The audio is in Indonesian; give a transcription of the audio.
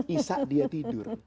isak dia tidur